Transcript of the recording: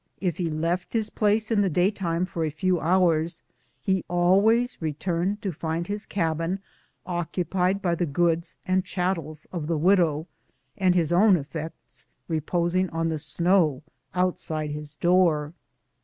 If he left his place in the daytime for a few hours, he invariably returned to find his cabin occupied by the goods and chattels of the widow, and his own effects re DOMESTIC TRIALS. 105 posing on the snow outside his door.